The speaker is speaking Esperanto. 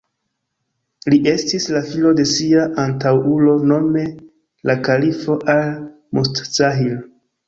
Li estis la filo de sia antaŭulo, nome la kalifo Al-Mustazhir.